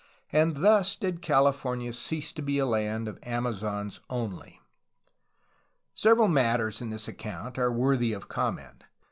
And thus did California cease to be a land of Amazons only. Several matters in this account are worthy of comment.